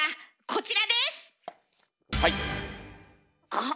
あっ。